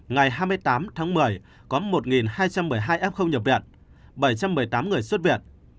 ngày hai mươi tám tháng một mươi có một hai trăm một mươi hai f không nhập viện bảy trăm một mươi tám người xuất viện